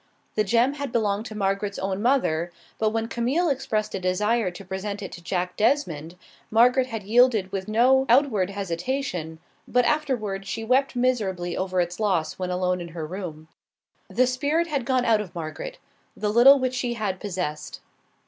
The gem had belonged to Margaret's own mother, but when Camille expressed a desire to present it to Jack Desmond, Margaret had yielded with no outward hesitation, but afterward she wept miserably over its loss when alone in her room. The spirit had gone out of Margaret, the little which she had possessed.